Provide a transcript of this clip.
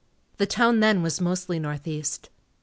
The town then was mostly northeast.